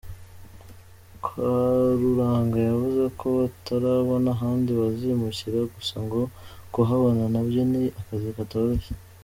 Karuranga yavuze ko batarabona ahandi bazimukira gusa ngo kuhabona na byo ni akazi katoroshye.